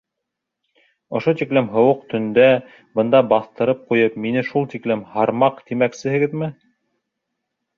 — Ошо тиклем һыуыҡ төндә бында баҫтырып ҡуйып, мине шул тиклем һармаҡ тимәксеһегеҙме?